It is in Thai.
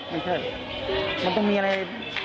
ไม่ใช่มันต้องมีอะไร